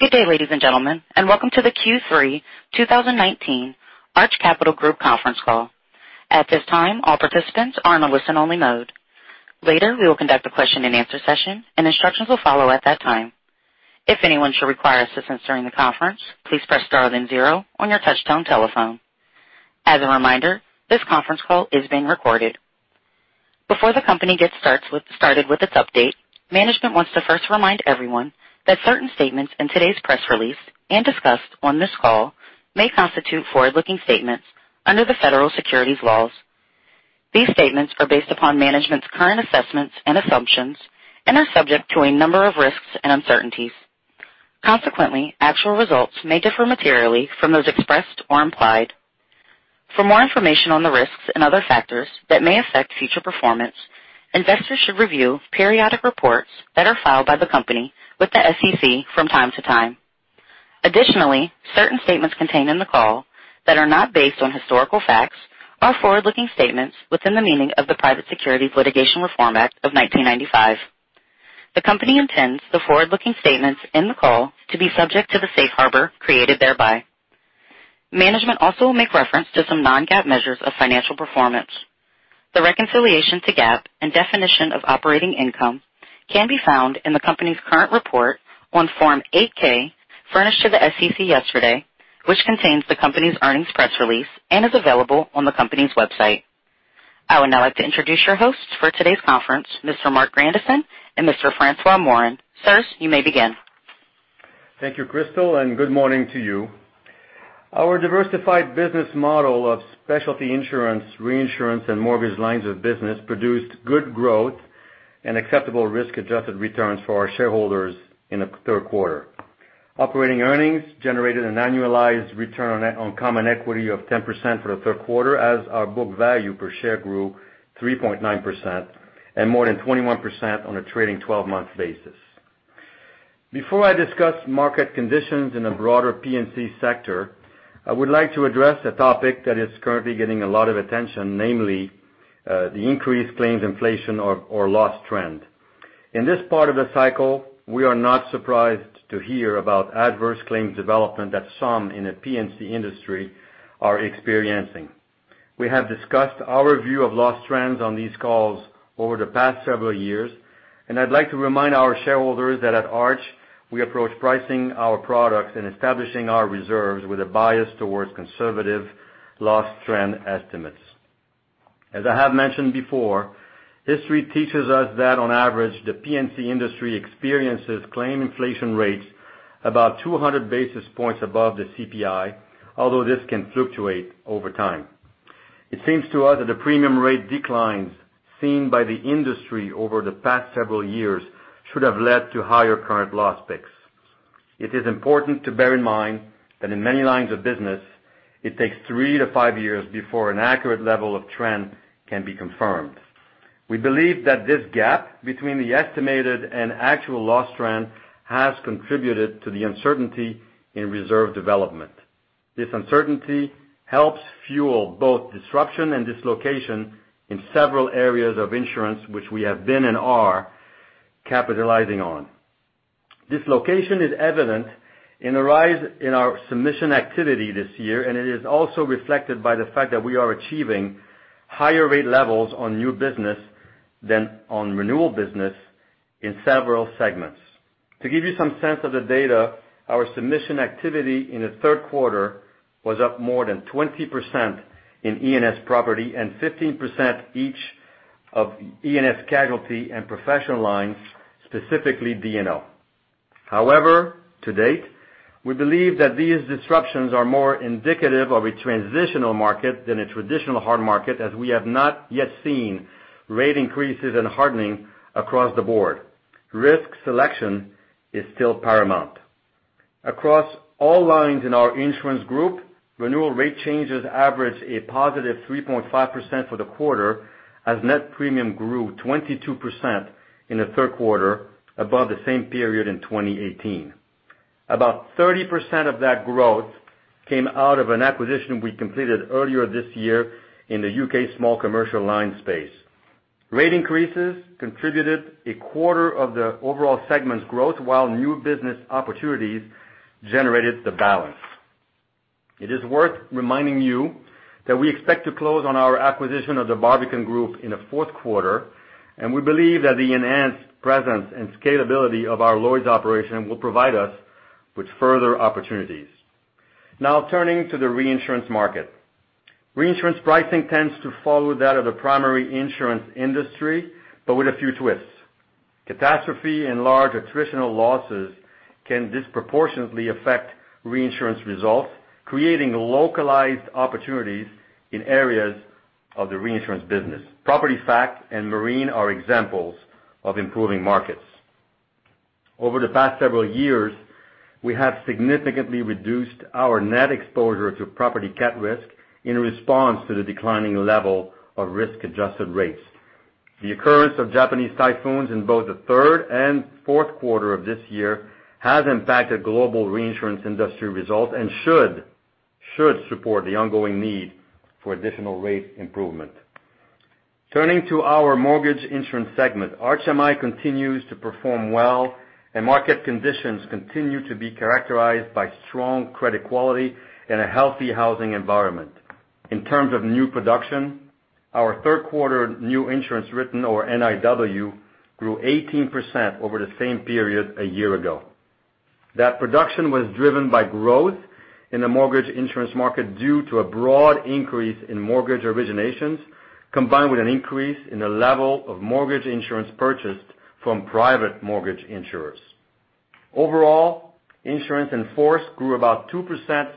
Good day, ladies and gentlemen, and welcome to the Q3 2019 Arch Capital Group conference call. At this time, all participants are in a listen-only mode. Later, we will conduct a question and answer session, and instructions will follow at that time. If anyone should require assistance during the conference, please press star then zero on your touch-tone telephone. As a reminder, this conference call is being recorded. Before the company gets started with its update, management wants to first remind everyone that certain statements in today's press release and discussed on this call may constitute forward-looking statements under the federal securities laws. These statements are based upon management's current assessments and assumptions and are subject to a number of risks and uncertainties. Consequently, actual results may differ materially from those expressed or implied. For more information on the risks and other factors that may affect future performance, investors should review periodic reports that are filed by the company with the SEC from time to time. Additionally, certain statements contained in the call that are not based on historical facts are forward-looking statements within the meaning of the Private Securities Litigation Reform Act of 1995. The company intends the forward-looking statements in the call to be subject to the safe harbor created thereby. Management also will make reference to some non-GAAP measures of financial performance. The reconciliation to GAAP and definition of operating income can be found in the company's current report on Form 8-K furnished to the SEC yesterday, which contains the company's earnings press release and is available on the company's website. I would now like to introduce your hosts for today's conference, Mr. Marc Grandisson and Mr. François Morin. Sirs, you may begin. Thank you, Crystal, and good morning to you. Our diversified business model of specialty insurance, reinsurance, and mortgage lines of business produced good growth and acceptable risk-adjusted returns for our shareholders in the third quarter. Operating earnings generated an annualized return on common equity of 10% for the third quarter as our book value per share grew 3.9% and more than 21% on a trading 12-month basis. Before I discuss market conditions in the broader P&C sector, I would like to address a topic that is currently getting a lot of attention, namely, the increased claims inflation or loss trend. In this part of the cycle, we are not surprised to hear about adverse claims development that some in the P&C industry are experiencing. We have discussed our view of loss trends on these calls over the past several years. I'd like to remind our shareholders that at Arch, we approach pricing our products and establishing our reserves with a bias towards conservative loss trend estimates. As I have mentioned before, history teaches us that on average, the P&C industry experiences claim inflation rates about 200 basis points above the CPI, although this can fluctuate over time. It seems to us that the premium rate declines seen by the industry over the past several years should have led to higher current loss picks. It is important to bear in mind that in many lines of business, it takes three to five years before an accurate level of trend can be confirmed. We believe that this gap between the estimated and actual loss trend has contributed to the uncertainty in reserve development. This uncertainty helps fuel both disruption and dislocation in several areas of insurance, which we have been and are capitalizing on. Dislocation is evident in a rise in our submission activity this year. It is also reflected by the fact that we are achieving higher rate levels on new business than on renewal business in several segments. To give you some sense of the data, our submission activity in the third quarter was up more than 20% in E&S property and 15% each of E&S casualty and professional lines, specifically D&O. To date, we believe that these disruptions are more indicative of a transitional market than a traditional hard market, as we have not yet seen rate increases and hardening across the board. Risk selection is still paramount. Across all lines in our insurance group, renewal rate changes average a positive 3.5% for the quarter as net premium grew 22% in the third quarter above the same period in 2018. About 30% of that growth came out of an acquisition we completed earlier this year in the U.K. small commercial line space. Rate increases contributed a quarter of the overall segment's growth while new business opportunities generated the balance. It is worth reminding you that we expect to close on our acquisition of the Barbican Group in the fourth quarter. We believe that the enhanced presence and scalability of our Lloyd's operation will provide us with further opportunities. Turning to the reinsurance market, reinsurance pricing tends to follow that of the primary insurance industry with a few twists. Catastrophe and large attritional losses can disproportionately affect reinsurance results, creating localized opportunities in areas of the reinsurance business. Property fac and marine are examples of improving markets. Over the past several years, we have significantly reduced our net exposure to property cat risk in response to the declining level of risk-adjusted rates. The occurrence of Japanese typhoons in both the third and fourth quarter of this year has impacted global reinsurance industry results and should support the ongoing need for additional rate improvement. Turning to our mortgage insurance segment, Arch MI continues to perform well. Market conditions continue to be characterized by strong credit quality and a healthy housing environment. In terms of new production, our third quarter new insurance written, or NIW, grew 18% over the same period a year ago. That production was driven by growth in the mortgage insurance market due to a broad increase in mortgage originations, combined with an increase in the level of mortgage insurance purchased from private mortgage insurers. Overall, insurance in force grew about 2%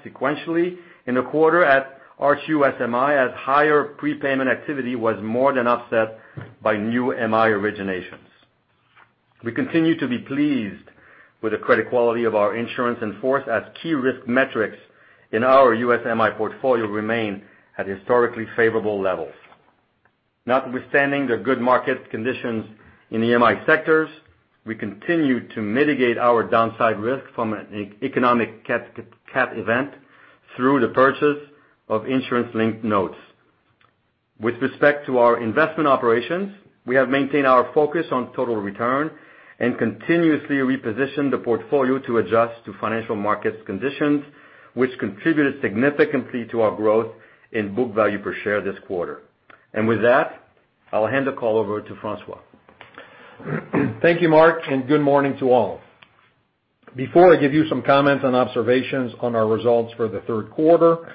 sequentially in the quarter at Arch US MI as higher prepayment activity was more than offset by new MI originations. We continue to be pleased with the credit quality of our insurance in force as key risk metrics in our US MI portfolio remain at historically favorable levels. Notwithstanding the good market conditions in the MI sectors, we continue to mitigate our downside risk from an economic cat event through the purchase of insurance-linked notes. With respect to our investment operations, we have maintained our focus on total return and continuously repositioned the portfolio to adjust to financial markets conditions, which contributed significantly to our growth in book value per share this quarter. With that, I'll hand the call over to François. Thank you, Marc, and good morning to all. Before I give you some comments and observations on our results for the third quarter,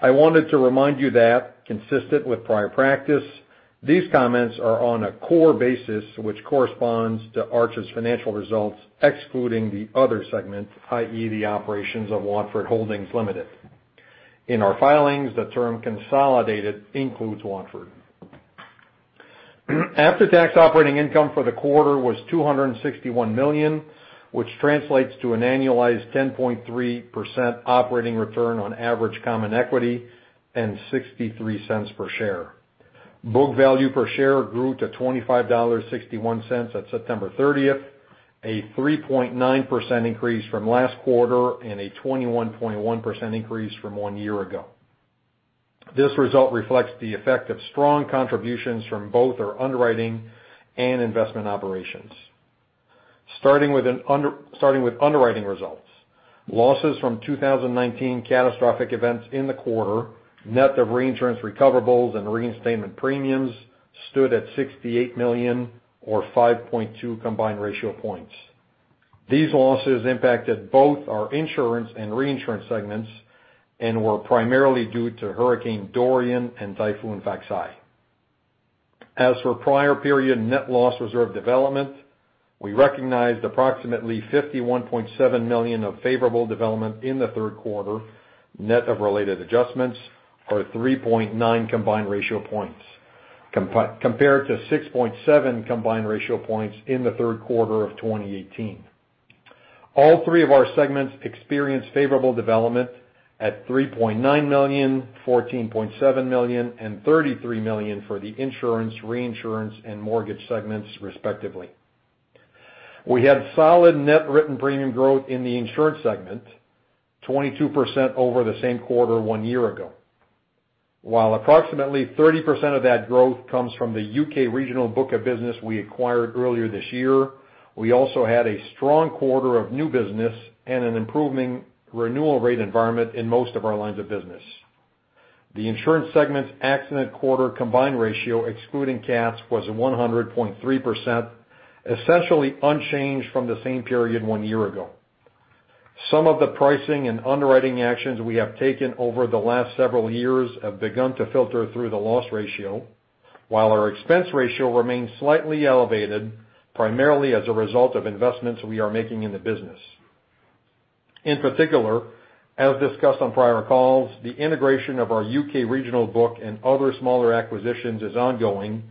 I wanted to remind you that consistent with prior practice, these comments are on a core basis which corresponds to Arch's financial results excluding the other segment, i.e., the operations of Watford Holdings Ltd. In our filings, the term consolidated includes Watford. After-tax operating income for the quarter was $261 million, which translates to an annualized 10.3% operating return on average common equity and $0.63 per share. Book value per share grew to $25.61 at September 30th, a 3.9% increase from last quarter and a 21.1% increase from one year ago. This result reflects the effect of strong contributions from both our underwriting and investment operations. Starting with underwriting results. Losses from 2019 catastrophic events in the quarter, net of reinsurance recoverables and reinstatement premiums, stood at $68 million or 5.2 combined ratio points. These losses impacted both our insurance and reinsurance segments and were primarily due to Hurricane Dorian and Typhoon Faxai. As for prior period net loss reserve development, we recognized approximately $51.7 million of favorable development in the third quarter, net of related adjustments or 3.9 combined ratio points compared to 6.7 combined ratio points in the third quarter of 2018. All three of our segments experienced favorable development at $3.9 million, $14.7 million, and $33 million for the insurance, reinsurance, and mortgage segments, respectively. We had solid net written premium growth in the insurance segment, 22% over the same quarter one year ago. While approximately 30% of that growth comes from the U.K. regional book of business we acquired earlier this year, we also had a strong quarter of new business and an improving renewal rate environment in most of our lines of business. The insurance segment's accident quarter combined ratio, excluding cats, was 100.3%, essentially unchanged from the same period one year ago. Some of the pricing and underwriting actions we have taken over the last several years have begun to filter through the loss ratio, while our expense ratio remains slightly elevated, primarily as a result of investments we are making in the business. In particular, as discussed on prior calls, the integration of our U.K. regional book and other smaller acquisitions is ongoing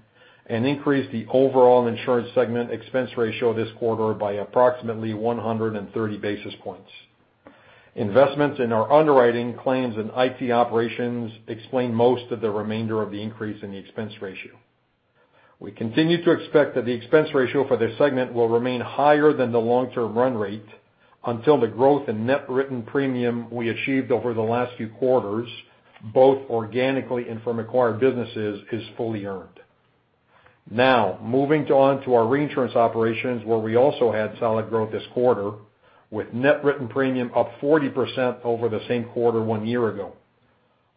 and increased the overall insurance segment expense ratio this quarter by approximately 130 basis points. Investments in our underwriting claims and IT operations explain most of the remainder of the increase in the expense ratio. We continue to expect that the expense ratio for this segment will remain higher than the long-term run rate until the growth in net written premium we achieved over the last few quarters, both organically and from acquired businesses, is fully earned. Moving on to our reinsurance operations, where we also had solid growth this quarter, with net written premium up 40% over the same quarter one year ago.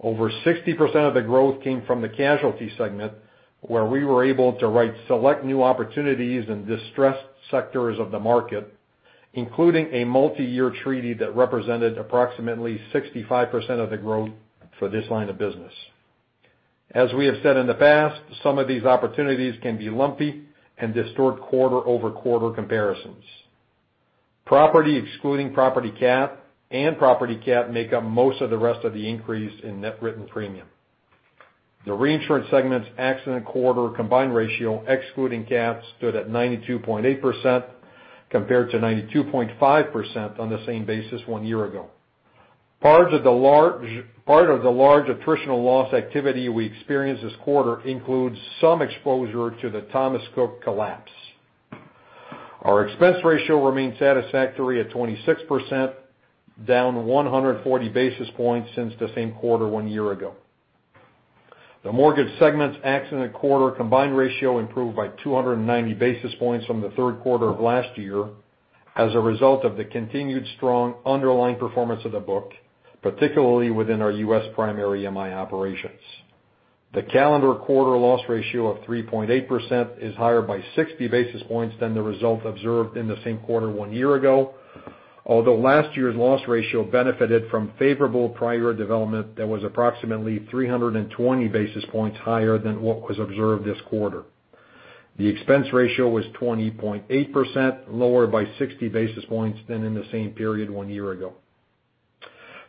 Over 60% of the growth came from the casualty segment, where we were able to write select new opportunities in distressed sectors of the market, including a multiyear treaty that represented approximately 65% of the growth for this line of business. As we have said in the past, some of these opportunities can be lumpy and distort quarter-over-quarter comparisons. Property, excluding property cat and property cat, make up most of the rest of the increase in net written premium. The reinsurance segment's accident quarter combined ratio, excluding cats, stood at 92.8% compared to 92.5% on the same basis one year ago. Part of the large attritional loss activity we experienced this quarter includes some exposure to the Thomas Cook collapse. Our expense ratio remains satisfactory at 26%, down 140 basis points since the same quarter one year ago. The mortgage segment's accident quarter combined ratio improved by 290 basis points from the third quarter of last year as a result of the continued strong underlying performance of the book, particularly within our U.S. primary MI operations. The calendar quarter loss ratio of 3.8% is higher by 60 basis points than the result observed in the same quarter one year ago, although last year's loss ratio benefited from favorable prior development that was approximately 320 basis points higher than what was observed this quarter. The expense ratio was 20.8%, lower by 60 basis points than in the same period one year ago.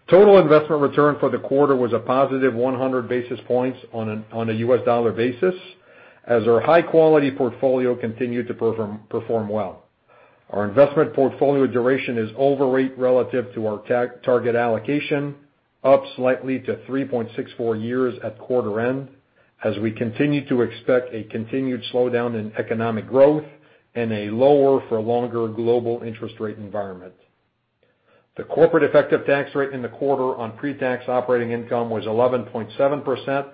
Total investment return for the quarter was a positive 100 basis points on a U.S. dollar basis as our high-quality portfolio continued to perform well. Our investment portfolio duration is overweight relative to our target allocation, up slightly to 3.64 years at quarter end as we continue to expect a continued slowdown in economic growth and a lower for longer global interest rate environment. The corporate effective tax rate in the quarter on pre-tax operating income was 11.7%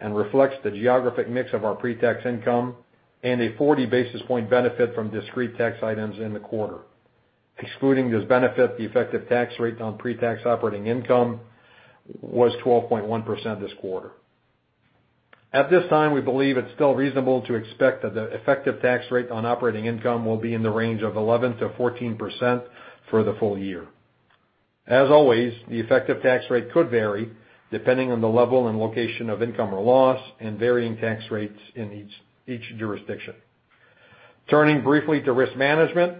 and reflects the geographic mix of our pre-tax income and a 40 basis point benefit from discrete tax items in the quarter. Excluding this benefit, the effective tax rate on pre-tax operating income was 12.1% this quarter. At this time, we believe it is still reasonable to expect that the effective tax rate on operating income will be in the range of 11%-14% for the full year. As always, the effective tax rate could vary depending on the level and location of income or loss and varying tax rates in each jurisdiction. Turning briefly to risk management,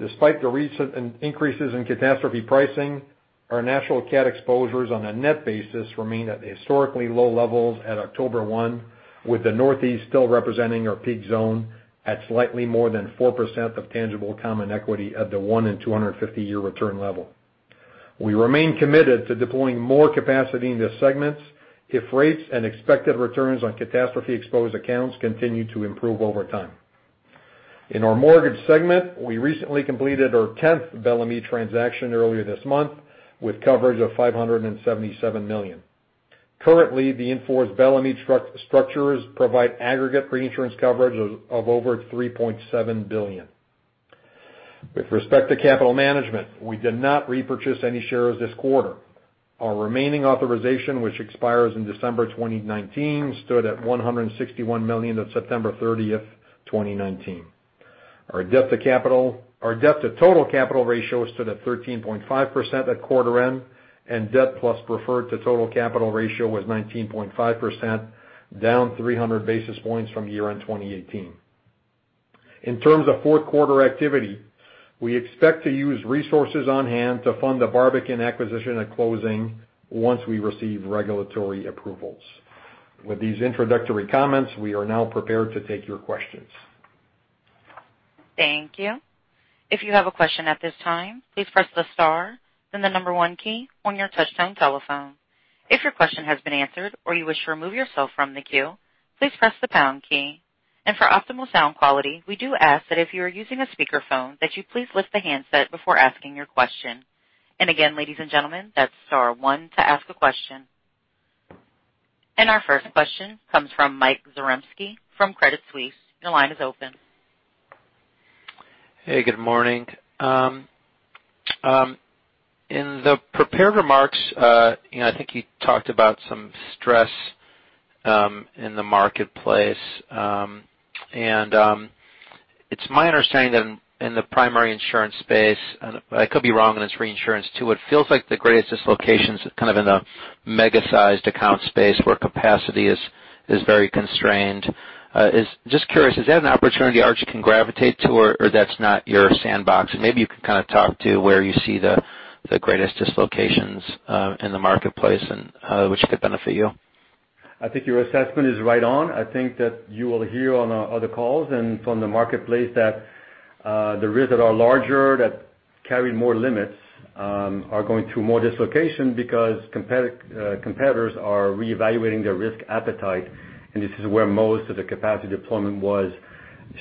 despite the recent increases in catastrophe pricing, our national cat exposures on a net basis remain at historically low levels at October one, with the Northeast still representing our peak zone at slightly more than 4% of tangible common equity at the one in 250 year return level. We remain committed to deploying more capacity in these segments if rates and expected returns on catastrophe exposed accounts continue to improve over time. In our mortgage segment, we recently completed our 10th Bellemeade transaction earlier this month with coverage of $577 million. Currently, the enforced Bellemeade structures provide aggregate reinsurance coverage of over $3.7 billion. With respect to capital management, we did not repurchase any shares this quarter. Our remaining authorization, which expires in December 2019, stood at $161 million on September 30th, 2019. Our debt to total capital ratio stood at 13.5% at quarter end, and debt plus preferred to total capital ratio was 19.5%, down 300 basis points from year-end 2018. In terms of fourth quarter activity, we expect to use resources on-hand to fund the Barbican acquisition at closing once we receive regulatory approvals. With these introductory comments, we are now prepared to take your questions. Thank you. If you have a question at this time, please press the star, then the number one key on your touchtone telephone. If your question has been answered or you wish to remove yourself from the queue, please press the pound key. For optimal sound quality, we do ask that if you are using a speakerphone, that you please lift the handset before asking your question. Again, ladies and gentlemen, that is star one to ask a question. Our first question comes from Michael Zaremski from Credit Suisse. Your line is open. Hey, good morning. In the prepared remarks I think you talked about some stress in the marketplace. It's my understanding that in the primary insurance space, I could be wrong, and it's reinsurance too, it feels like the greatest dislocations kind of in the mega-sized account space where capacity is very constrained. Just curious, is that an opportunity Arch can gravitate to or that's not your sandbox? Maybe you can kind of talk to where you see the greatest dislocations in the marketplace and which could benefit you. I think your assessment is right on. I think that you will hear on the other calls and from the marketplace that the risks that are larger, that carry more limits, are going through more dislocation because competitors are reevaluating their risk appetite. This is where most of the capacity deployment was,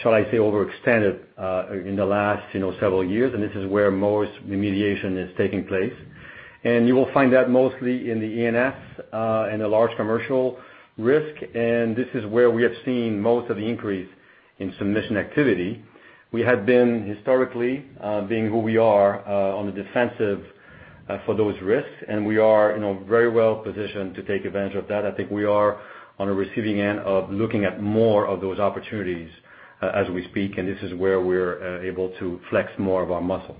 shall I say, overextended in the last several years, and this is where most remediation is taking place. You will find that mostly in the E&S, in the large commercial risk, and this is where we have seen most of the increase in submission activity. We had been historically, being who we are, on the defensive for those risks, and we are very well positioned to take advantage of that. I think we are on the receiving end of looking at more of those opportunities as we speak, and this is where we're able to flex more of our muscle.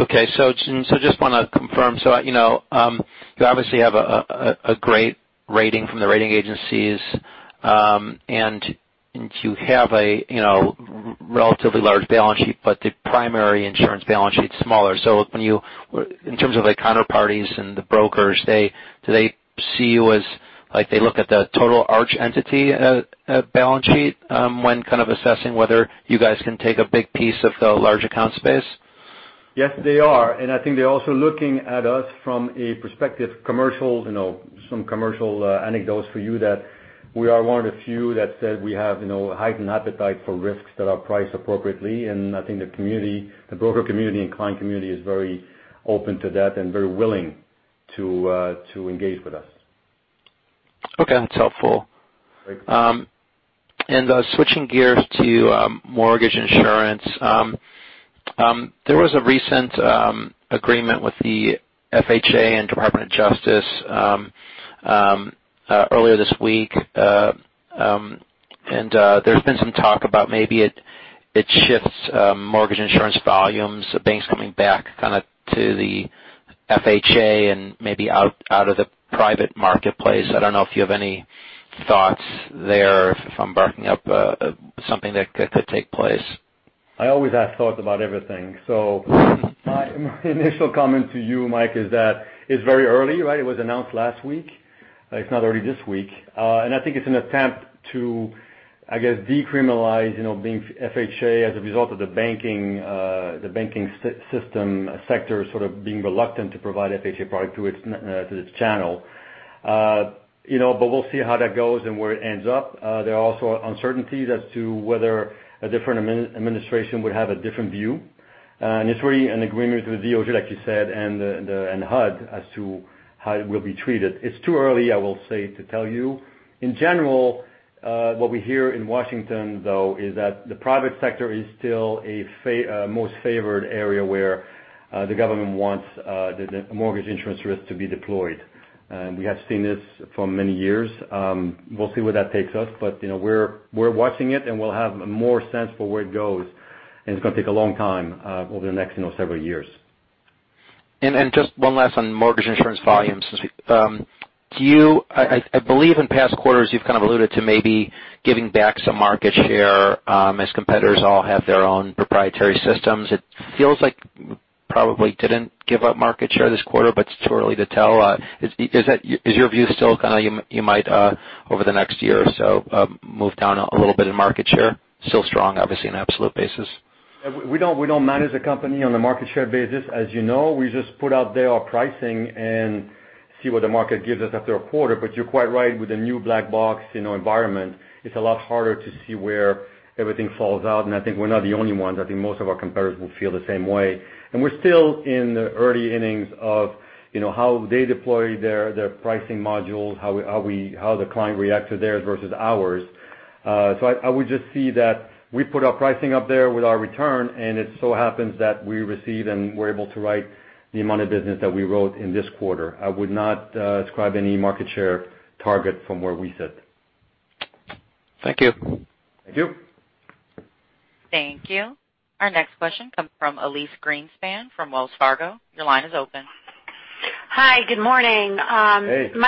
Okay. Just want to confirm, you obviously have a great rating from the rating agencies, and you have a relatively large balance sheet, but the primary insurance balance sheet's smaller. In terms of the counterparties and the brokers, do they look at the total Arch entity balance sheet when kind of assessing whether you guys can take a big piece of the large account space? Yes, they are. I think they're also looking at us from a perspective, some commercial anecdotes for you that we are one of the few that said we have heightened appetite for risks that are priced appropriately. I think the broker community and client community is very open to that and very willing to engage with us. Okay. That's helpful. Great. Switching gears to mortgage insurance. There was a recent agreement with the FHA and Department of Justice earlier this week. There's been some talk about maybe it shifts mortgage insurance volumes, banks coming back kind of to the FHA and maybe out of the private marketplace. I don't know if you have any thoughts there or if I'm barking up something that could take place. I always have thoughts about everything. My initial comment to you, Mike, is that it's very early, right? It was announced last week. It's not already this week. I think it's an attempt to, I guess, decriminalize being FHA as a result of the banking system sector sort of being reluctant to provide FHA product to its channel. We'll see how that goes and where it ends up. There are also uncertainties as to whether a different administration would have a different view. It's really an agreement with the DOJ, like you said, and HUD as to how it will be treated. It's too early, I will say, to tell you. In general, what we hear in Washington, though, is that the private sector is still a most favored area where the government wants the mortgage insurance risk to be deployed. We have seen this for many years. We'll see where that takes us. We're watching it, and we'll have more sense for where it goes, and it's going to take a long time over the next several years. Just one last on mortgage insurance volumes. I believe in past quarters you've kind of alluded to maybe giving back some market share as competitors all have their own proprietary systems. It feels like probably didn't give up market share this quarter, but it's too early to tell. Is your view still kind of you might over the next year or so move down a little bit in market share? Still strong, obviously, in absolute basis. We don't manage the company on the market share basis. As you know, we just put out there our pricing and see what the market gives us after a quarter. You're quite right with the new black box environment, it's a lot harder to see where everything falls out, and I think we're not the only ones. I think most of our competitors will feel the same way. We're still in the early innings of how they deploy their pricing modules, how the client react to theirs versus ours. I would just see that we put our pricing up there with our return, and it so happens that we receive and we're able to write the amount of business that we wrote in this quarter. I would not ascribe any market share target from where we sit. Thank you. Thank you. Thank you. Our next question comes from Elyse Greenspan from Wells Fargo. Your line is open. Hi, good morning. Hey. Hey,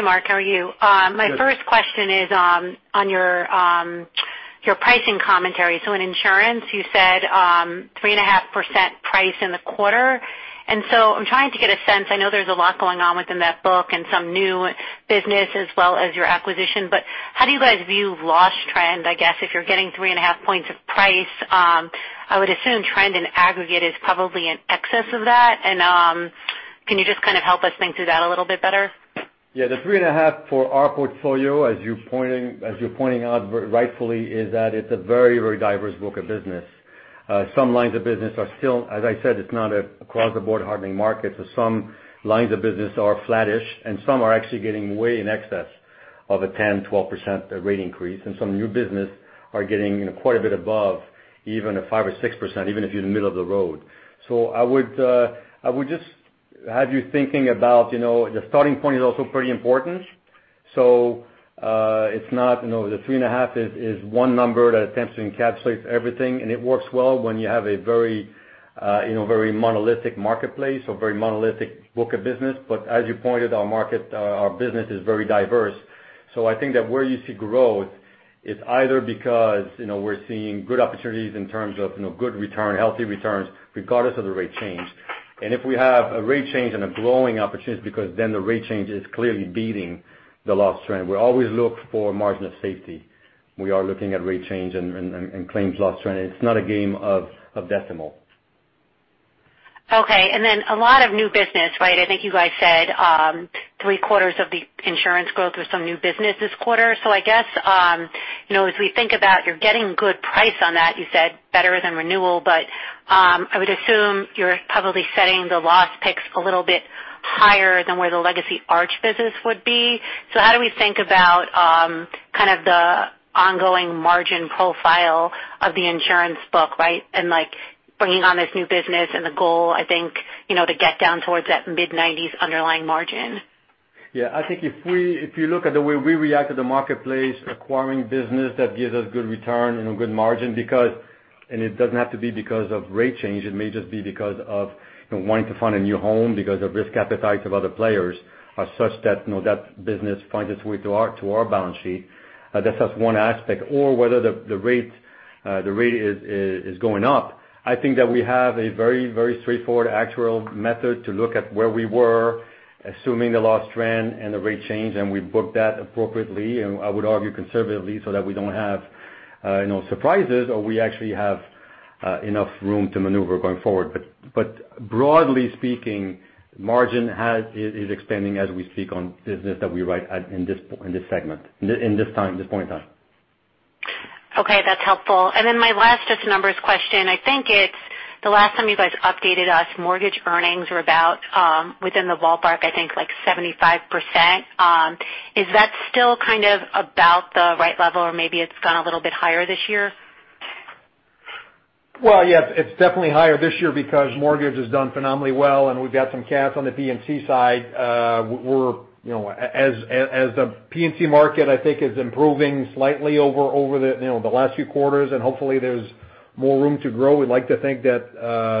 Marc, how are you? My first question is on your pricing commentary. In insurance, you said 3.5% price in the quarter. I'm trying to get a sense, I know there's a lot going on within that book and some new business as well as your acquisition, but how do you guys view loss trend? I guess if you're getting three and a half points of price, I would assume trend in aggregate is probably in excess of that. Can you just kind of help us think through that a little bit better? Yeah, the three and a half for our portfolio, as you are pointing out rightfully, is that it is a very diverse book of business. Some lines of business are still, as I said, it is not an across the board hardening market. Some lines of business are flattish, and some are actually getting way in excess of a 10%, 12% rate increase. Some new business are getting quite a bit above even a five or six%, even if you are the middle of the road. I would just have you thinking about the starting point is also pretty important. The three and a half is one number that attempts to encapsulate everything, and it works well when you have a very monolithic marketplace or very monolithic book of business. As you pointed, our business is very diverse. I think that where you see growth is either because we are seeing good opportunities in terms of good return, healthy returns regardless of the rate change. If we have a rate change and a growing opportunity because then the rate change is clearly beating the loss trend. We always look for margin of safety when we are looking at rate change and claims loss trend. It is not a game of decimal. Okay. A lot of new business, right? I think you guys said three-quarters of the insurance growth was some new business this quarter. I guess as we think about you are getting good price on that, you said better than renewal, but I would assume you are probably setting the loss picks a little bit higher than where the legacy Arch business would be. How do we think about kind of the ongoing margin profile of the insurance book, right? Like bringing on this new business and the goal, I think, to get down towards that mid-nineties underlying margin. Yeah, I think if you look at the way we react to the marketplace acquiring business that gives us good return and a good margin because, and it does not have to be because of rate change, it may just be because of wanting to find a new home because of risk appetite of other players are such that business finds its way to our balance sheet. That is just one aspect. Whether the rate is going up. I think that we have a very straightforward actuarial method to look at where we were assuming the loss trend and the rate change, and we book that appropriately, and I would argue conservatively so that we do not have no surprises, or we actually have enough room to maneuver going forward. Broadly speaking, margin is expanding as we speak on business that we write in this segment, in this point in time. Okay, that's helpful. My last just numbers question, I think it's the last time you guys updated us, mortgage earnings were about, within the ballpark, I think like 75%. Is that still kind of about the right level or maybe it's gone a little bit higher this year? Well, yes, it's definitely higher this year because mortgage has done phenomenally well, and we've got some cats on the P&C side. The P&C market, I think, is improving slightly over the last few quarters, and hopefully there's more room to grow. We'd like to think that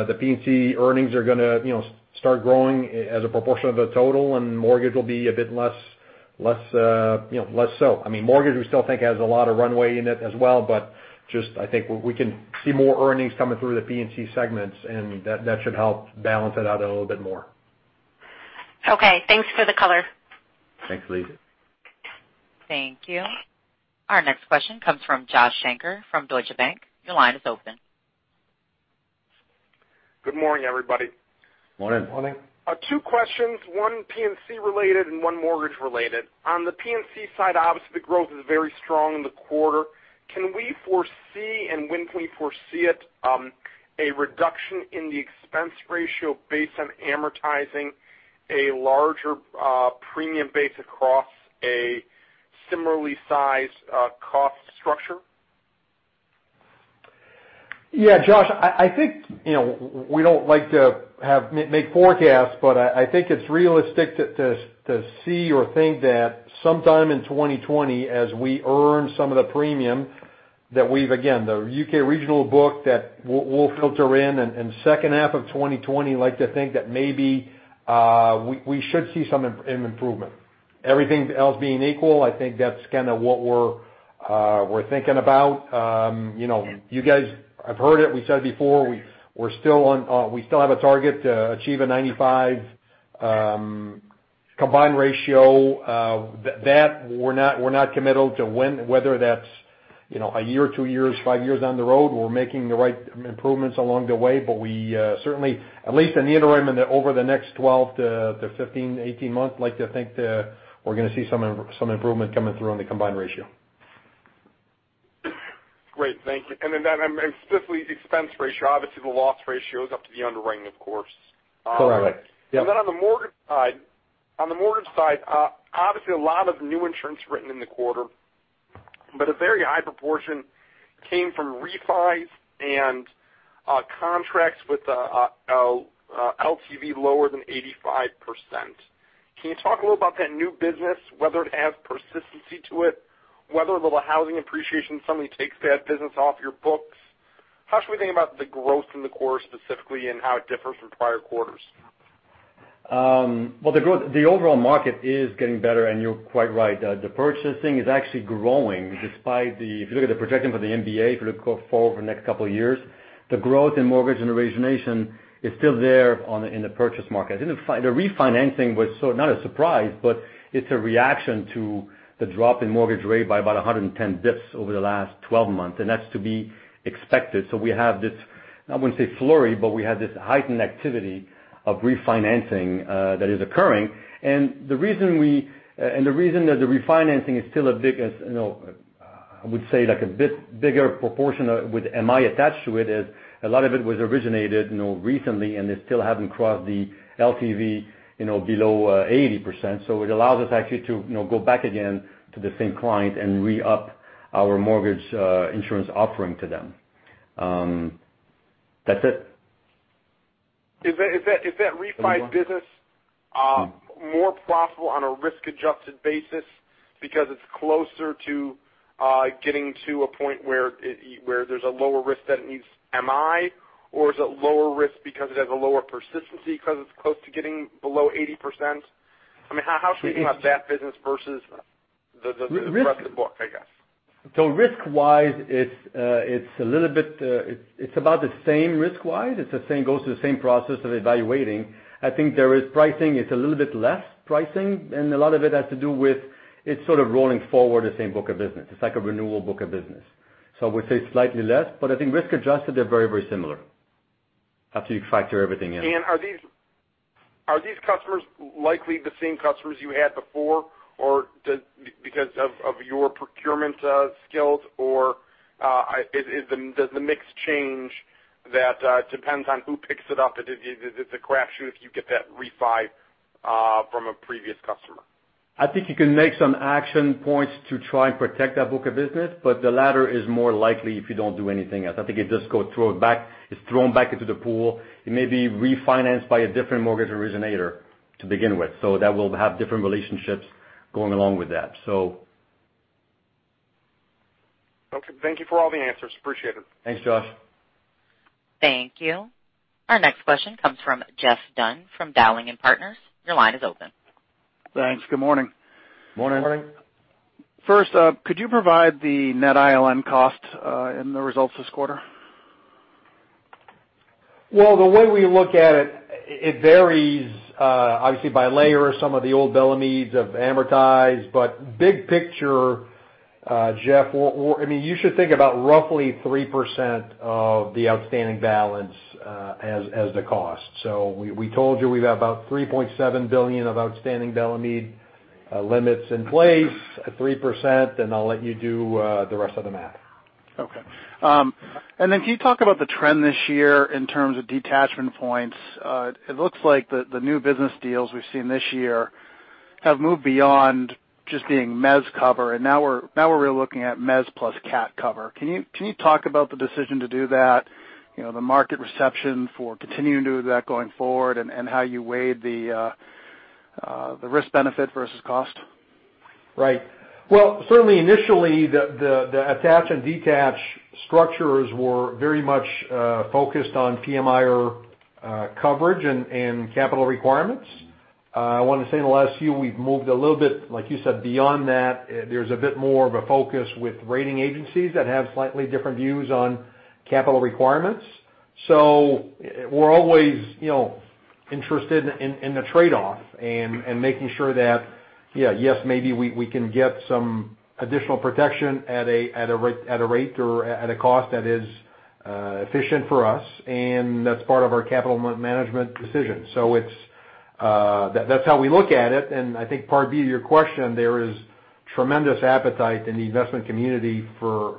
the P&C earnings are going to start growing as a proportion of the total, and mortgage will be a bit less so. Mortgage, we still think has a lot of runway in it as well, just, I think we can see more earnings coming through the P&C segments, and that should help balance it out a little bit more. Okay, thanks for the color. Thanks, Elyse. Thank you. Our next question comes from Joshua Shanker from Deutsche Bank. Your line is open. Good morning, everybody. Morning. Morning. Two questions, one P&C related and one mortgage related. On the P&C side, obviously the growth is very strong in the quarter. Can we foresee, and when can we foresee it, a reduction in the expense ratio based on amortizing a larger premium base across a similarly sized cost structure? Yeah, Josh, I think we don't like to make forecasts, but I think it's realistic to see or think that sometime in 2020 as we earn some of the premium, again, the U.K. regional book that will filter in in second half of 2020, I like to think that maybe we should see some improvement. Everything else being equal, I think that's kind of what we're thinking about. You guys have heard it, we said it before, we still have a target to achieve a 95 combined ratio. That we're not committal to when, whether that's one year, two years, five years down the road. We're making the right improvements along the way. We certainly, at least in the interim and then over the next 12 to 15, 18 months, like to think that we're going to see some improvement coming through on the combined ratio. Great, thank you. Specifically expense ratio, obviously the loss ratio is up to the underwriting, of course. Correct. Yeah. On the mortgage side obviously a lot of new insurance written in the quarter, but a very high proportion came from refis and contracts with LTV lower than 85%. Can you talk a little about that new business, whether it has persistency to it, whether the housing appreciation suddenly takes that business off your books? How should we think about the growth in the quarter specifically and how it differs from prior quarters? Well, the overall market is getting better, you're quite right. The purchasing is actually growing despite the, if you look at the projection for the MBA for the next couple of years, the growth in mortgage and origination is still there in the purchase market. The refinancing was not a surprise, but it's a reaction to the drop in mortgage rate by about 110 bps over the last 12 months, that's to be expected. We have this, I wouldn't say flurry, but we have this heightened activity of refinancing that is occurring. The reason that the refinancing is still a big, I would say like a bit bigger proportion with MI attached to it is a lot of it was originated recently, and they still haven't crossed the LTV below 80%. It allows us actually to go back again to the same client and re-up our mortgage insurance offering to them. That's it. Is that refi business more profitable on a risk-adjusted basis because it's closer to getting to a point where there's a lower risk that it needs MI, or is it lower risk because it has a lower persistency because it's close to getting below 80%? How should we think about that business versus the rest of the book, I guess? Risk-wise, it's about the same risk-wise. It goes through the same process of evaluating. I think there is pricing, it's a little bit less pricing, and a lot of it has to do with it's sort of rolling forward the same book of business. It's like a renewable book of business. I would say slightly less, but I think risk-adjusted, they're very similar after you factor everything in. Are these customers likely the same customers you had before because of your procurement skills, or does the mix change that depends on who picks it up? It's a crapshoot if you get that refi from a previous customer. I think you can make some action points to try and protect that book of business, but the latter is more likely if you don't do anything else. I think it's thrown back into the pool. It may be refinanced by a different mortgage originator to begin with. That will have different relationships going along with that. Okay. Thank you for all the answers. Appreciate it. Thanks, Josh. Thank you. Our next question comes from Jeff Dunn from Dowling & Partners. Your line is open. Thanks. Good morning. Morning. Morning. First, could you provide the net ILN cost in the results this quarter? The way we look at it varies, obviously by layer, some of the old Bellemeades have amortized. Big picture, Jeff, you should think about roughly 3% of the outstanding balance as the cost. We told you we've about $3.7 billion of outstanding Bellemeade limits in place at 3%, and I'll let you do the rest of the math. Okay. Can you talk about the trend this year in terms of detachment points? It looks like the new business deals we've seen this year have moved beyond just being mezz cover, now we're really looking at mezz plus cat cover. Can you talk about the decision to do that, the market reception for continuing to do that going forward, and how you weighed the risk benefit versus cost? Well, certainly initially, the attach and detach structures were very much focused on PMIERs coverage and capital requirements. I want to say in the last few, we've moved a little bit, like you said, beyond that, there's a bit more of a focus with rating agencies that have slightly different views on capital requirements. We're always interested in the trade-off and making sure that, yes, maybe we can get some additional protection at a rate or at a cost that is efficient for us, and that's part of our capital management decision. That's how we look at it. I think part B of your question, there is tremendous appetite in the investment community for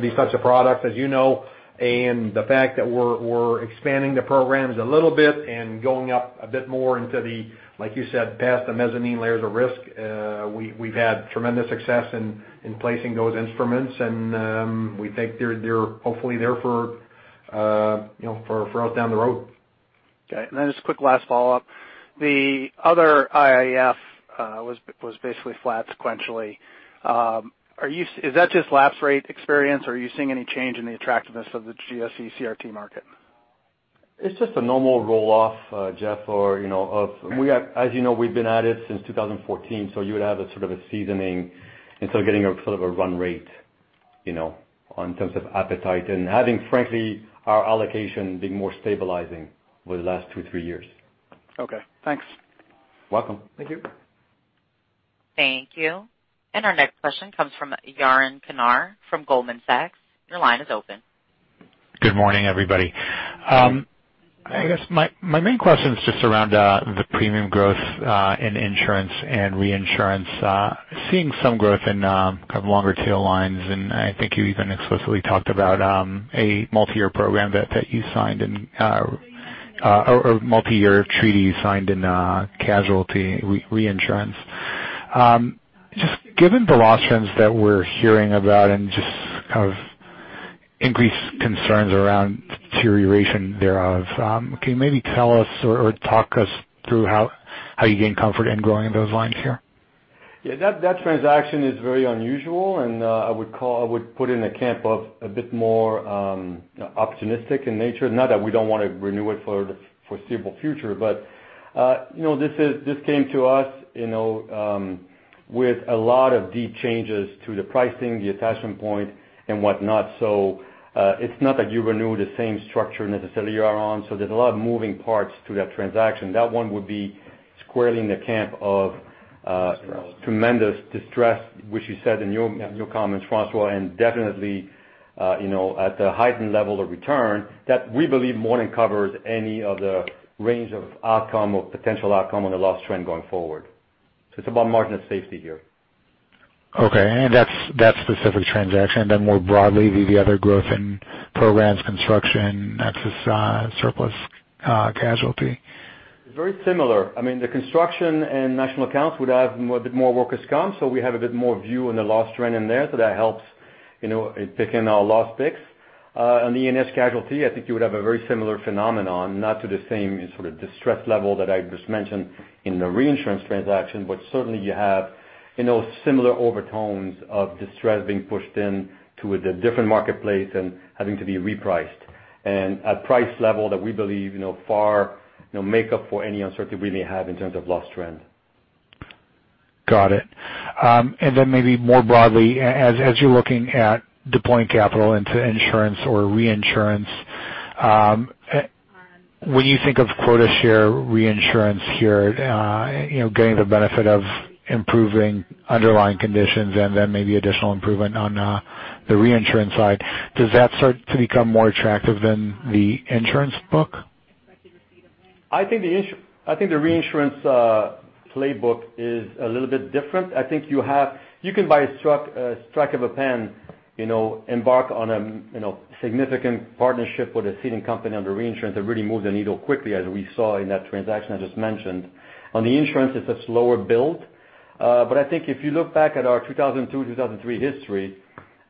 these types of products, as you know. The fact that we're expanding the programs a little bit and going up a bit more into the, like you said, past the mezzanine layers of risk. We've had tremendous success in placing those instruments, and we think they're hopefully there for us down the road. Just a quick last follow-up. The other IIF was basically flat sequentially. Is that just lapse rate experience, or are you seeing any change in the attractiveness of the GSE CRT market? It's just a normal roll-off, Jeff. As you know, we've been at it since 2014. You would have a sort of a seasoning and getting sort of a run rate in terms of appetite and having, frankly, our allocation being more stabilizing over the last two, three years. Okay. Thanks. Welcome. Thank you. Thank you. Our next question comes from Yaron Kinar from Goldman Sachs. Your line is open. Good morning, everybody. I guess my main question is just around the premium growth in insurance and reinsurance. Seeing some growth in kind of longer tail lines, and I think you even explicitly talked about a multiyear program that you signed in, or multiyear treaty you signed in casualty reinsurance. Just given the loss trends that we're hearing about and just kind of increased concerns around deterioration thereof, can you maybe tell us or talk us through how you gain comfort in growing in those lines here? Yeah, that transaction is very unusual. I would put in a camp of a bit more optimistic in nature. Not that we don't want to renew it for the foreseeable future, but this came to us with a lot of deep changes to the pricing, the attachment point and whatnot. It's not that you renew the same structure necessarily, Yaron. There's a lot of moving parts to that transaction. That one would be squarely in the camp of tremendous distress, which you said in your comments, François, and definitely at the heightened level of return that we believe more than covers any of the range of outcome or potential outcome on the loss trend going forward. It's about margin of safety here. Okay. That specific transaction, then more broadly, the other growth in programs, construction, excess surplus, casualty. Very similar. The construction and national accounts would have a bit more workers' compensation, so we have a bit more view on the loss trend in there, so that helps in picking our loss picks. On the E&S casualty, I think you would have a very similar phenomenon, not to the same sort of distress level that I just mentioned in the reinsurance transaction, but certainly you have similar overtones of distress being pushed into a different marketplace and having to be repriced. At price level that we believe far make up for any uncertainty we may have in terms of loss trend. Got it. Then maybe more broadly, as you're looking at deploying capital into insurance or reinsurance, when you think of quota share reinsurance here, getting the benefit of improving underlying conditions and then maybe additional improvement on the reinsurance side, does that start to become more attractive than the insurance book? I think the reinsurance playbook is a little bit different. I think you can, by strike of a pen, embark on a significant partnership with a seeding company under reinsurance that really moved the needle quickly, as we saw in that transaction I just mentioned. On the insurance, it's a slower build. I think if you look back at our 2002, 2003 history,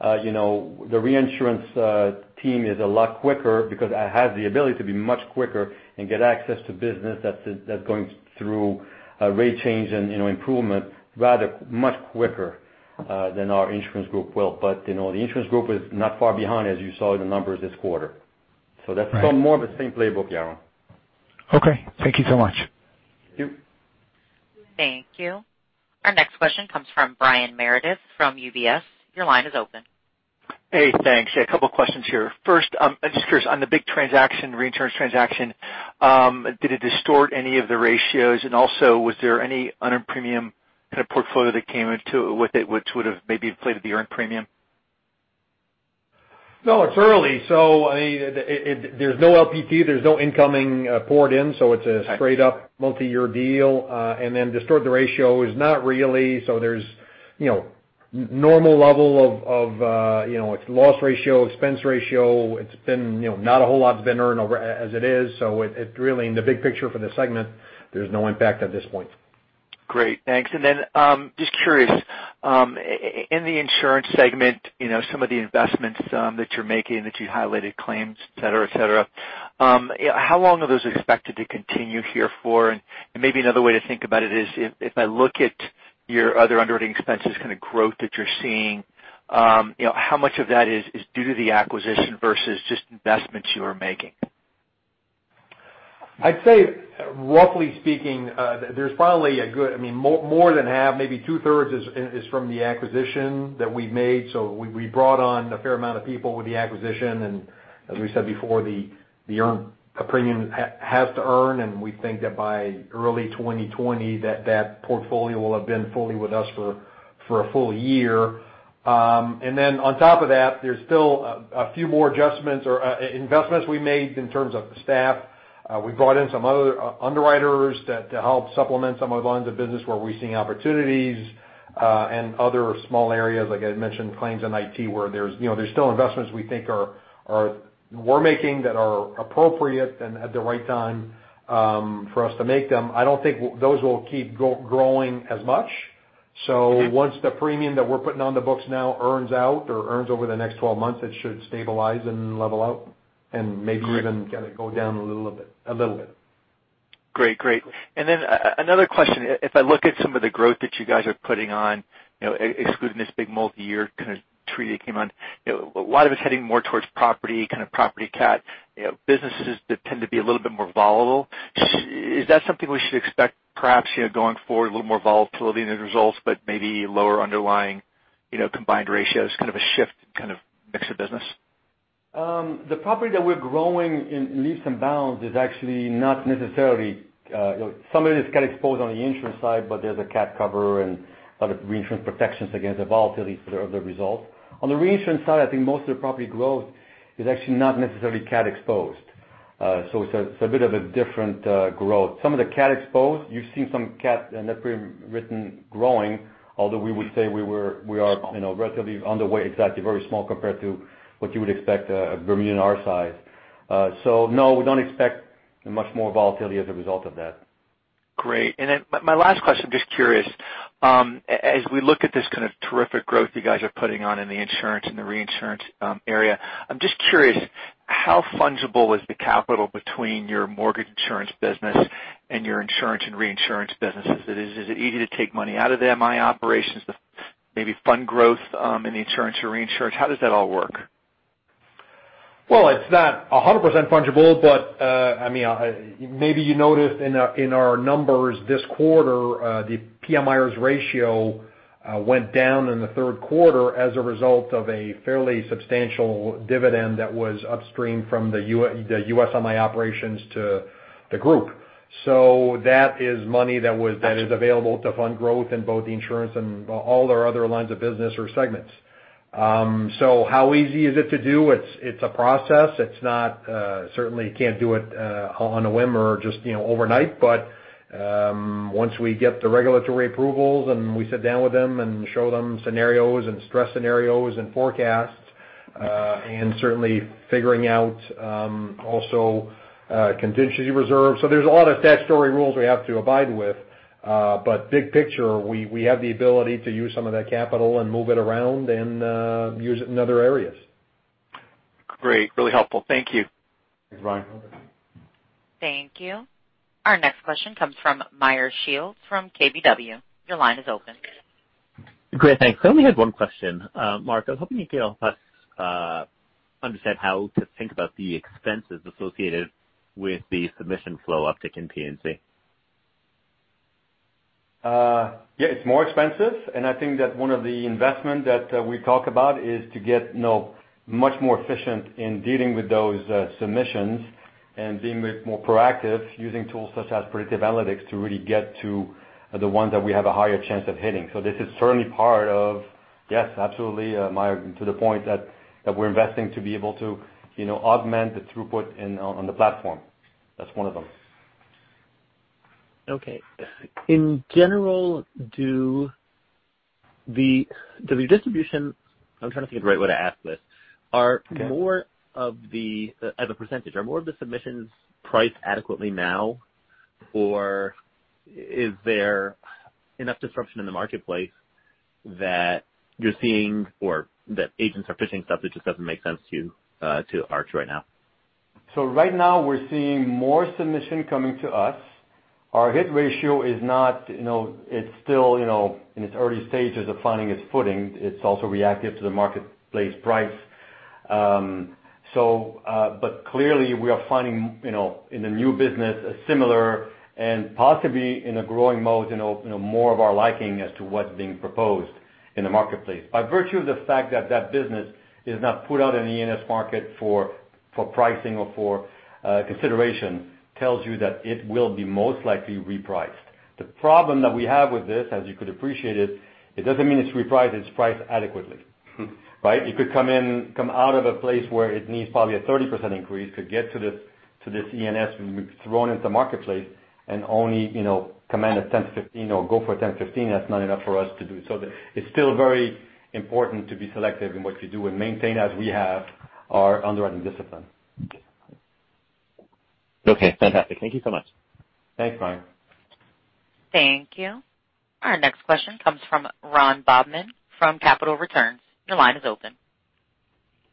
the reinsurance team is a lot quicker because it has the ability to be much quicker and get access to business that's going through a rate change and improvement rather much quicker than our insurance group will. The insurance group is not far behind, as you saw in the numbers this quarter. That's more of the same playbook, Yaron. Okay. Thank you so much. Thank you. Thank you. Our next question comes from Brian Meredith from UBS. Your line is open. Hey, thanks. A couple questions here. First, I'm just curious on the big transaction, reinsurance transaction, did it distort any of the ratios? Was there any unearned premium kind of portfolio that came with it, which would've maybe played to the earned premium? No, it's early. There's no LPT, there's no incoming port in, so it's a straight up multi-year deal. Distort the ratio, is not really. There's normal level of its loss ratio, expense ratio. Not a whole lot's been earned as it is, so really in the big picture for this segment, there's no impact at this point. Great, thanks. Just curious, in the insurance segment, some of the investments that you're making, that you highlighted, claims, et cetera. How long are those expected to continue here for? Maybe another way to think about it is if I look at your other underwriting expenses kind of growth that you're seeing, how much of that is due to the acquisition versus just investments you are making? I'd say roughly speaking, there's probably a good more than half, maybe two-thirds is from the acquisition that we made. We brought on a fair amount of people with the acquisition, and as we said before, the earned premium has to earn, and we think that by early 2020 that that portfolio will have been fully with us for a full year. On top of that, there's still a few more adjustments or investments we made in terms of the staff. We brought in some other underwriters to help supplement some other lines of business where we're seeing opportunities, and other small areas, like I mentioned, claims and IT, where there's still investments we think we're making that are appropriate and at the right time for us to make them. I don't think those will keep growing as much. Once the premium that we're putting on the books now earns out or earns over the next 12 months, it should stabilize and level out, and maybe even kind of go down a little bit. Great. Another question. If I look at some of the growth that you guys are putting on, excluding this big multi-year kind of treaty that came on, a lot of it's heading more towards property, kind of property catastrophe, businesses that tend to be a little bit more volatile. Is that something we should expect perhaps, going forward, a little more volatility in the results, but maybe lower underlying combined ratios, kind of a shift, kind of mix of business? The property that we're growing in leaps and bounds is actually not necessarily, some of it is cat exposed on the insurance side, but there's a cat cover and a lot of reinsurance protections against the volatility of the results. On the reinsurance side, I think most of the property growth is actually not necessarily cat exposed. It's a bit of a different growth. Some of the cat exposed, you've seen some cat and written growing, although we would say we are relatively on the way. Exactly, very small compared to what you would expect a Bermuda in our size. No, we don't expect much more volatility as a result of that. Great. My last question, just curious, as we look at this kind of terrific growth you guys are putting on in the insurance and the reinsurance area, I'm just curious, how fungible is the capital between your mortgage insurance business and your insurance and reinsurance businesses? Is it easy to take money out of the MI operations to maybe fund growth in the insurance or reinsurance? How does that all work? It's not 100% fungible, but maybe you noticed in our numbers this quarter, the PMIERs ratio went down in the third quarter as a result of a fairly substantial dividend that was upstream from the U.S. MI operations to the group. That is money that is available to fund growth in both the insurance and all our other lines of business or segments. How easy is it to do? It's a process. Certainly you can't do it on a whim or just overnight, but once we get the regulatory approvals and we sit down with them and show them scenarios and stress scenarios and forecasts, and certainly figuring out, also contingency reserves. There's a lot of statutory rules we have to abide with. Big picture, we have the ability to use some of that capital and move it around and use it in other areas. Great. Really helpful. Thank you. Thanks, Brian. Thank you. Our next question comes from Meyer Shields from KBW. Your line is open. Great. Thanks. I only had one question. Marc, I was hoping you could help us understand how to think about the expenses associated with the submission flow uptick in P&C. Yeah, it's more expensive. I think that one of the investment that we talk about is to get much more efficient in dealing with those submissions, and being more proactive using tools such as predictive analytics to really get to the ones that we have a higher chance of hitting. This is certainly part of. Yes, absolutely, Meyer, to the point that we're investing to be able to augment the throughput on the platform. That's one of them. Okay. In general, do the distribution, I'm trying to think of the right way to ask this. Okay. As a percentage, are more of the submissions priced adequately now? Is there enough disruption in the marketplace that you're seeing, or that agents are pitching stuff that just doesn't make sense to Arch right now? Right now we're seeing more submission coming to us. Our hit ratio is still in its early stages of finding its footing. It's also reactive to the marketplace price. Clearly we are finding, in the new business, a similar and possibly in a growing mode more of our liking as to what's being proposed in the marketplace. By virtue of the fact that that business is not put out in the E&S market for pricing or for consideration tells you that it will be most likely repriced. The problem that we have with this, as you could appreciate it doesn't mean it's repriced, it's priced adequately. Right? It could come out of a place where it needs probably a 30% increase, could get to this E&S and thrown into the marketplace and only command a 10%-15% or go for 10%-15%, that's not enough for us to do. It's still very important to be selective in what you do and maintain, as we have, our underwriting discipline. Okay, fantastic. Thank you so much. Thanks, Meyer. Thank you. Our next question comes from Ron Bobman from Capital Returns. Your line is open.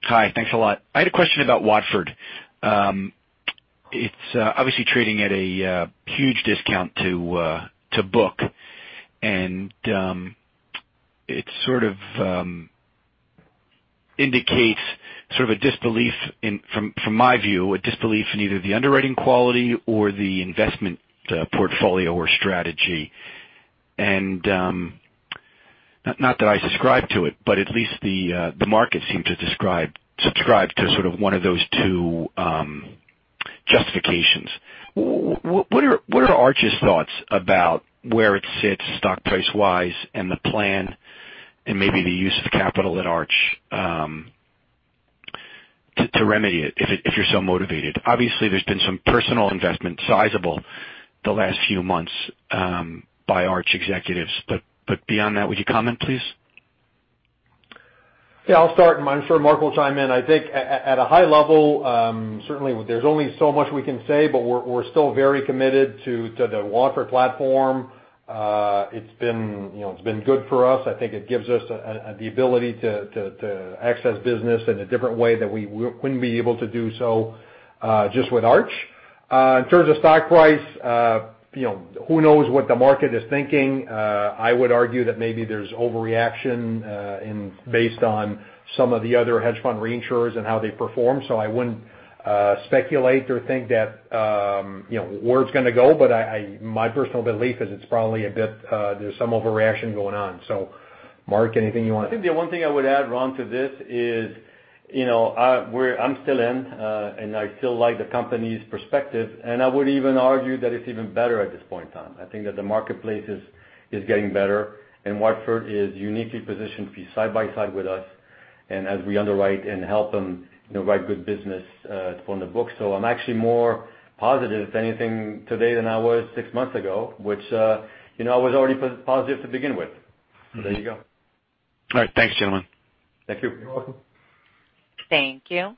Hi. Thanks a lot. I had a question about Watford. It's obviously trading at a huge discount to book, and it sort of indicates a disbelief, from my view, in either the underwriting quality or the investment portfolio or strategy. Not that I subscribe to it, but at least the market seemed to subscribe to sort of one of those two justifications. What are Arch's thoughts about where it sits stock price-wise and the plan and maybe the use of capital at Arch to remedy it if you're so motivated? Obviously, there's been some personal investment, sizable, the last few months by Arch executives. Beyond that, would you comment, please? Yeah, I'll start and I'm sure Marc will chime in. I think at a high level, certainly there's only so much we can say, but we're still very committed to the Watford platform. It's been good for us. I think it gives us the ability to access business in a different way that we wouldn't be able to do so just with Arch. In terms of stock price, who knows what the market is thinking. I would argue that maybe there's overreaction based on some of the other hedge fund reinsurers and how they perform. I wouldn't speculate or think where it's going to go, but my personal belief is there's some overreaction going on. Marc, anything you want- I think the one thing I would add, Ron, to this is I'm still in, and I still like the company's perspective, and I would even argue that it's even better at this point in time. I think that the marketplace is getting better, and Watford is uniquely positioned to be side by side with us, and as we underwrite and help them write good business to form the book. I'm actually more positive if anything today than I was six months ago, which I was already positive to begin with. There you go. All right. Thanks, gentlemen. Thank you. You're welcome. Thank you.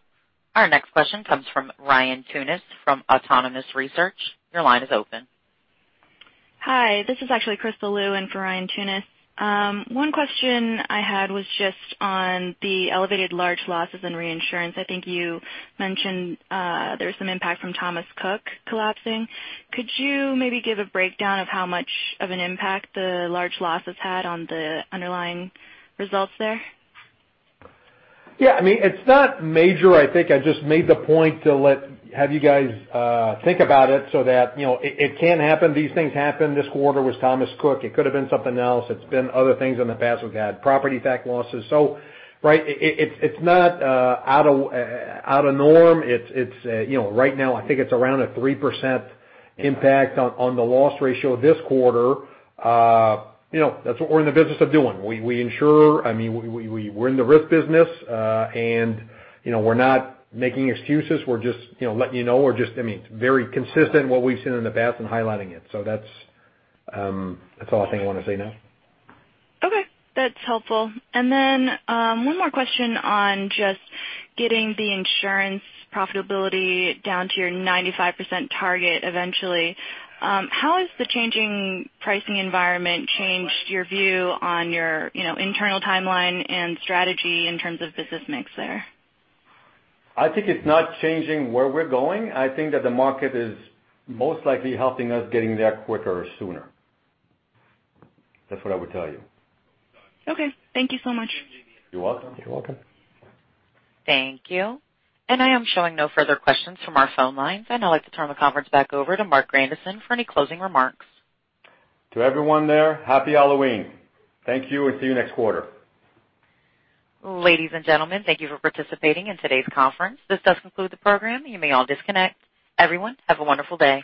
Our next question comes from Ryan Tunis from Autonomous Research. Your line is open. Hi. This is actually Crystal Lu in for Ryan Tunis. One question I had was just on the elevated large losses in reinsurance. I think you mentioned there is some impact from Thomas Cook collapsing. Could you maybe give a breakdown of how much of an impact the large losses had on the underlying results there? Yeah. It is not major. I think I just made the point to have you guys think about it so that it can happen. These things happen. This quarter was Thomas Cook. It could have been something else. It has been other things in the past. We have had property catastrophe losses. It is not out of norm. Right now, I think it is around a 3% impact on the loss ratio this quarter. That is what we are in the business of doing. We are in the risk business. We are not making excuses. We are just letting you know. It is very consistent what we have seen in the past and highlighting it. That is all I think I want to say now. Okay. That is helpful. One more question on just getting the insurance profitability down to your 95% target eventually. How has the changing pricing environment changed your view on your internal timeline and strategy in terms of business mix there? I think it's not changing where we're going. I think that the market is most likely helping us getting there quicker or sooner. That's what I would tell you. Okay. Thank you so much. You're welcome. You're welcome. Thank you. I am showing no further questions from our phone lines. I'd now like to turn the conference back over to Marc Grandisson for any closing remarks. To everyone there, Happy Halloween. Thank you. See you next quarter. Ladies and gentlemen, thank you for participating in today's conference. This does conclude the program. You may all disconnect. Everyone, have a wonderful day